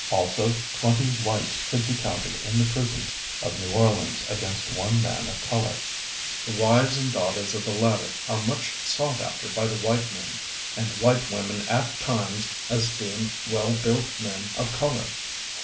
Also twenty whites could be counted in the prisons of New Orleans against one man of color. The wives and daughters of the latter are much sought after by the white men, and white women at times esteem well built men of color."